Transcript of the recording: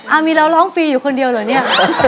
มีเราร้องฟรีอยู่คนเดียวเหรอเนี่ย